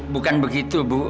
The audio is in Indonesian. bukan begitu ibu